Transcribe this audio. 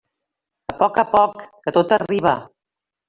A poc a poc, que tot arriba.